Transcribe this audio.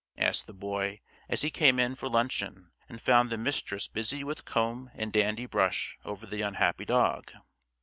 asked the Boy, as he came in for luncheon and found the Mistress busy with comb and dandy brush over the unhappy dog.